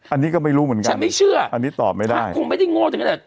อันนี้ก็ไม่รู้เหมือนกันอันนี้ตอบไม่ได้ฉันไม่เชื่อคงไม่ได้โง่จริง